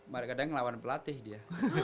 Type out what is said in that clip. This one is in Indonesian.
kadang kadang ngelawan pelatih dia